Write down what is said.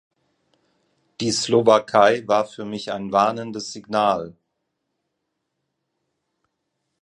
Die Slowakei war für mich ein warnendes Signal.